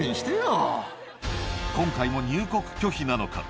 今回も入国拒否なのか。